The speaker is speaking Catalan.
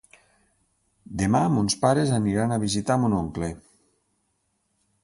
Demà mons pares aniran a visitar mon oncle.